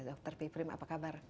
dokter piprim apa kabar